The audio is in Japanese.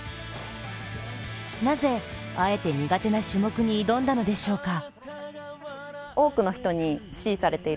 なぜ、あえて苦手な種目に挑んだのでしょうか。